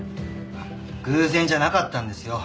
偶然じゃなかったんですよ。